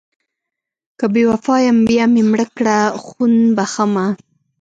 که بې وفا یم بیا مې مړه کړه خون بښمه...